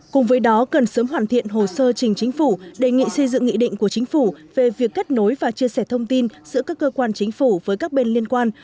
cùng với đó cần sớm hoàn thiện hồ sơ trình chính phủ đề nghị xây dựng nghị định của chính phủ về việc kết nối và chia sẻ thông tin giữa các cơ quan chính phủ với các bên liên quan